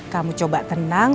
kamu coba tenang